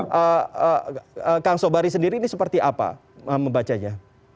jadi kang sobari sendiri ini seperti apa membacanya